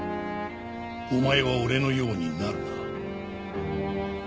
「お前は俺のようになるな」